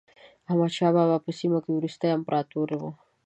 احمد شاه بابا په سیمه کې وروستی امپراتور و.